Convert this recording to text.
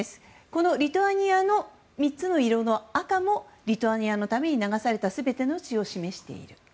このリトアニアの３つの色の赤もリトアニアのために流された全ての血を示している。